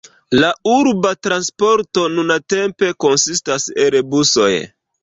La urba transporto nuntempe konsistas el busoj.